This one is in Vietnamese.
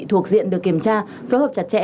thuộc diện được kiểm tra phối hợp chặt chẽ